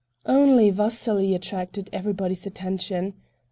Only Vasily attracted everybody's attention.